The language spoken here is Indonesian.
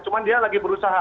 cuma dia lagi berusaha